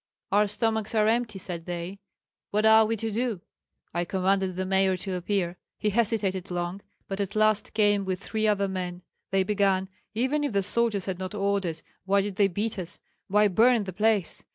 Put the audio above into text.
'Our stomachs are empty,' said they, 'what are we to do?' I commanded the mayor to appear. He hesitated long, but at last came with three other men. They began: 'Even if the soldiers had not orders, why did they beat us, why burn the place?